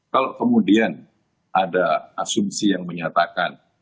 kalau kemudian ada asumsi yang menyatakan